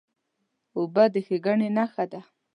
اوبه د ښېګڼې نښه ده.